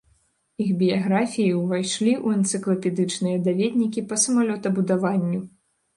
Іх біяграфіі ўвайшлі ў энцыклапедычныя даведнікі па самалётабудаванню.